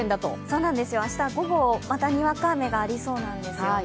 そうなんですよ、明日午後、またにわか雨がありそうなんです。